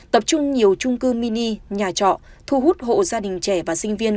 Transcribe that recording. tập trung nhiều trung cư mini nhà trọ thu hút hộ gia đình trẻ và sinh viên